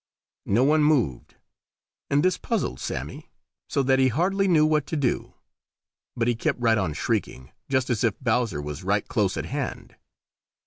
No one moved, and this puzzled Sammy so that he hardly knew what to do, but he kept right on shrieking, just as if Bowser was right close at hand.